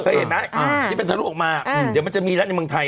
เคยเห็นไหมที่เป็นทะลุออกมาเดี๋ยวมันจะมีแล้วในเมืองไทย